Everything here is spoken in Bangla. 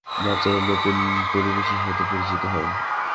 বাচ্চারাও নতুন পরিবেশের সাথে পরিচিত হয়।